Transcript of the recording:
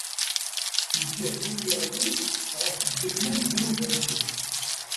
Lǧehd-iw iɣli ɣef ddemma n ddnubat-iw.